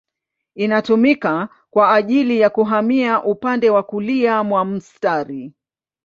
Inatumika kwa ajili ya kuhamia upande wa kulia mwa mstari.